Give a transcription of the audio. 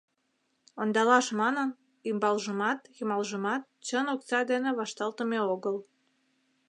Ондалаш манын, ӱмбалжымат, йымалжымат чын окса дене вашталтыме огыл.